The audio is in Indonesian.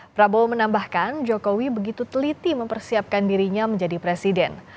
prabowo menambahkan jokowi begitu teliti mempersiapkan dirinya menjadi presiden